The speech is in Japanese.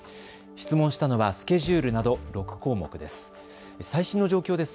質問したのはスケジュールなど６項目です。